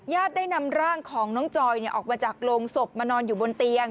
ได้นำร่างของน้องจอยออกมาจากโรงศพมานอนอยู่บนเตียง